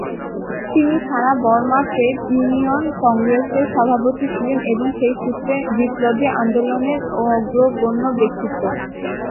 তিনি সারা Burma trade union কংগ্রেসের সভাপতি ছিলেন এবং সেই সূত্রে বিপ্লবী আন্দোলনের অগ্রগণ্য ব্যক্তিত্ব।